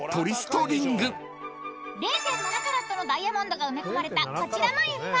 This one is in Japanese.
［０．７カラットのダイヤモンドが埋め込まれたこちらの指輪］